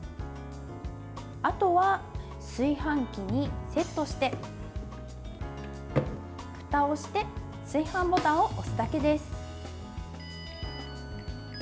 あとは炊飯器にセットしてふたをして炊飯ボタンを押すだけです。